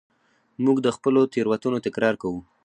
موږ د خپلو تېروتنو تکرار کوو.